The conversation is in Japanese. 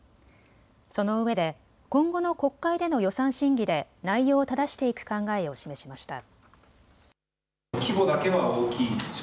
そのうえで今後の国会での予算審議で内容をただしていく考えを示しました。